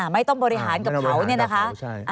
ไม่ต้องบริหารกระเภา